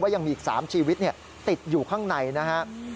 ยังมีอีก๓ชีวิตติดอยู่ข้างในนะฮะ